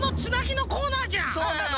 そうなの。